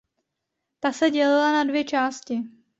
Ta se dělila na dvě části.